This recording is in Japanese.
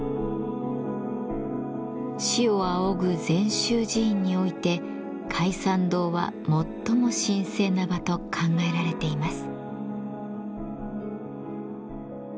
師を仰ぐ禅宗寺院において開山堂は最も神聖な場と考えられています。